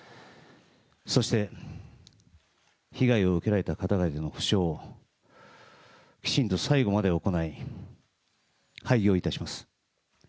そして被害を受けられた方々への補償をきちんと最後まで行い、廃業いたします。